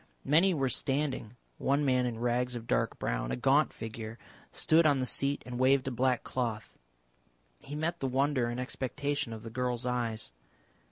Many were standing, one man in rags of dark brown, a gaunt figure, stood on the seat and waved a black cloth. He met the wonder and expectation of the girl's eyes.